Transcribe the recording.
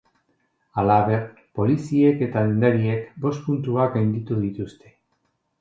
Halaber, poliziek eta dendariek bost puntuak gainditu dituzte.